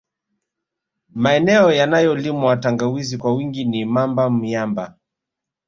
Maeneneo yanayolimwa tangawizi kwa wingi ni Mamba Myamba